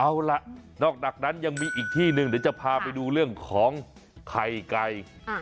เอาล่ะนอกจากนั้นยังมีอีกที่หนึ่งเดี๋ยวจะพาไปดูเรื่องของไข่ไก่